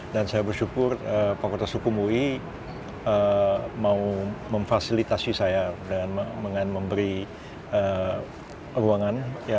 dan saya bersyukur paku tosokumui mau memfasilitasi saya dengan memberi ruangan